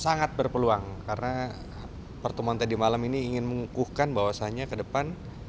sangat berpeluang karena pertemuan tadi malam ini ingin mengukuhkan bahwasannya ke depan